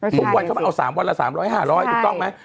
ทุกวันเขามาเอา๓วันละ๓๐๐๕๐๐ถูกต้องไหม